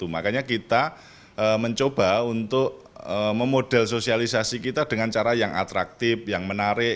makanya kita mencoba untuk memodel sosialisasi kita dengan cara yang atraktif yang menarik